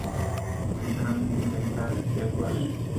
بِہ کن، بہ تچ ءُ بِہ گْوش